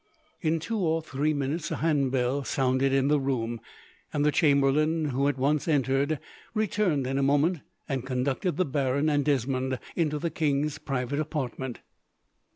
In two or three minutes a handbell sounded in the room, and the chamberlain, who at once entered, returned in a moment, and conducted the baron and Desmond into the king's private apartment.